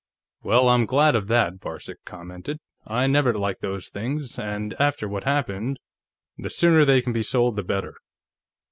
"Well, I'm glad of that," Varcek commented. "I never liked those things, and after what happened ... The sooner they can be sold, the better."